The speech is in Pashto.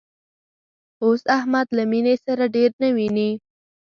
اوس احمد له مینې سره ډېر نه ویني